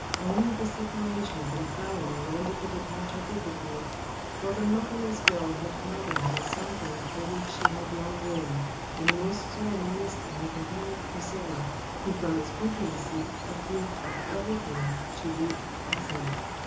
Only the separation from Thyone rendered the departure difficult, for the motherless girl had found in her something for which she had long yearned, and most sorely missed in her companion Chrysilla, who from expediency approved of everything she did or said.